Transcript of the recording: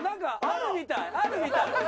あるみたい。